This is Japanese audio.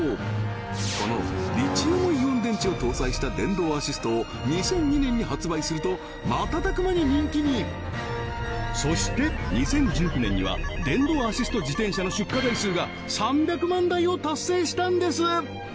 このリチウムイオン電池を搭載した電動アシストを２００２年に発売すると瞬く間に人気にそして２０１９年には電動アシスト自転車の出荷台数が３００万台を達成したんです